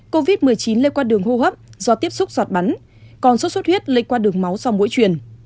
covid một mươi chín lây qua đường hô hấp do tiếp xúc giọt bắn còn sốt xuất huyết lây qua đường máu sau mỗi truyền